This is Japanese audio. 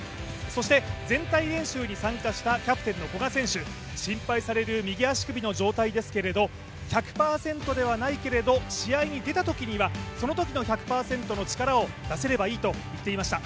そして全体練習に参加したキャプテンの古賀選手心配される右足首の状態ですけど１００％ではないけれども、試合に出たときにはそのときの１００％の力を出せればいいと言っていました。